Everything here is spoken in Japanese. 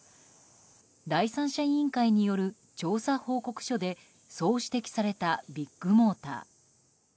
第三者委員会による調査報告書でそう指摘されたビッグモーター。